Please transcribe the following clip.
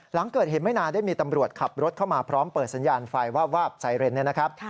หลังเกิดเหตุไม่นานได้มีตำรวจขับรถเข้ามาพร้อมเปิดสัญญาณไฟวาบไซเรนเนี่ยนะครับ